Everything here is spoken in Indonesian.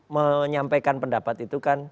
menyampaikan pendapat itu kan